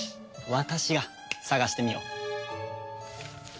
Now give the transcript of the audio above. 私が探してみよう。